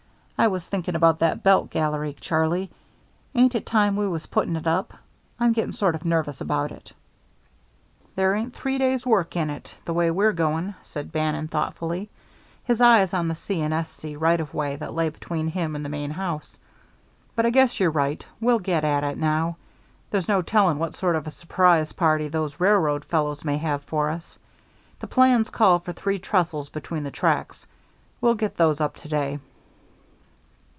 I was thinking about that belt gallery, Charlie. Ain't it time we was putting it up? I'm getting sort of nervous about it." "There ain't three days' work in it, the way we're going," said Bannon, thoughtfully, his eyes on the C. & S. C. right of way that lay between him and the main house, "but I guess you're right. We'll get at it now. There's no telling what sort of a surprise party those railroad fellows may have for us. The plans call for three trestles between the tracks. We'll get those up to day."